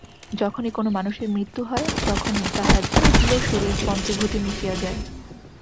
যখনই কোন মানুষের মৃত্যু হয়, তখনই তাহার স্থূলশরীর পঞ্চভূতে মিশিয়া যায়।